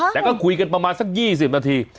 แต่ก็คุยกันประมาณสัก๒๐นาที